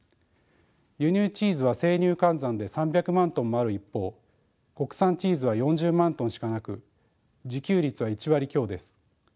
輸入チーズは生乳換算で３００万ｔもある一方国産チーズは４０万ｔしかなく自給率は１割強です。